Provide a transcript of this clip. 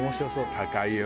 高いよ。